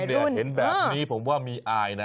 ว่ายรุ่นนี้เห็นแบบนี้ผมว่ามีอายน่ะ